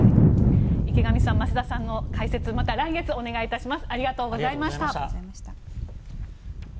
池上さん増田さんの解説はまた来月お願いします。